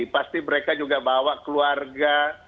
pasti mereka juga bawa keluarga